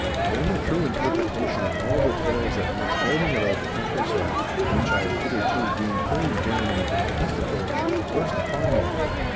Then the true interpretation of all the tales that went floating about the countryside, and which I had hitherto deemed wholly vain and fantastical, burst upon me.